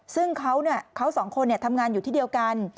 ซึ่งเขาสองคนทำงานอยู่ที่เดียวกัน